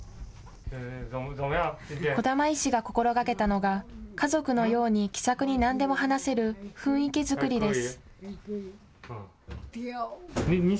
児玉医師が心がけたのが家族のように気さくに何でも話せる雰囲気作りです。